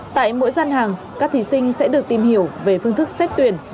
tại mỗi gian hàng các thí sinh sẽ được tìm hiểu về phương thức xét tuyển